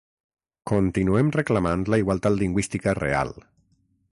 Continuem reclamant la igualtat lingüística real!